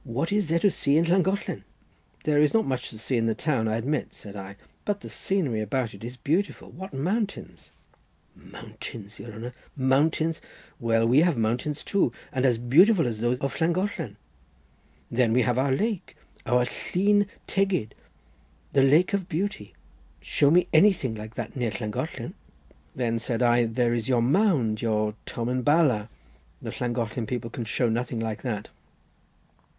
What is there to see in Llangollen?" "There is not much to see in the town, I admit," said I, "but the scenery about it is beautiful; what mountains!" "Mountains, your honour, mountains! well, we have mountains too, and as beautiful as those of Llangollen. Then we have our lake, our Llyn Tegid, the lake of beauty. Show me anything like that near Llangollen!" "Then," said I, "there is your mound, your Tomen Bala. The Llangollen people can show nothing like that."